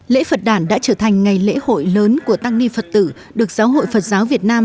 lễ phật đàn đã trở thành ngày lễ hội lớn của tăng ni phật tử được giáo hội phật giáo việt nam